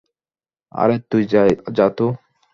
আরে তুই যা তো।